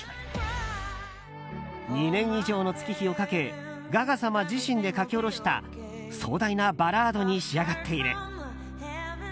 ２年以上の月日をかけガガ様自身で書き下ろした壮大なバラードに仕上がっている。